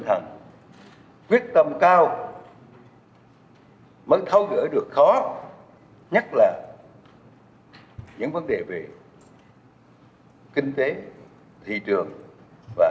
và các vấn đề ph kinh tế thị trường và các vấn đề ph t debuted